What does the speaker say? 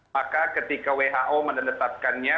maka ketika who menetapkannya